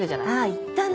行ったね！